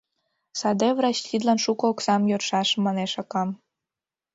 Саде врач тидлан шуко оксам йодшаш, манеш акам.